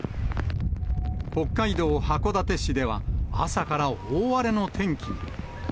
北海道函館市では、朝から大荒れの天気に。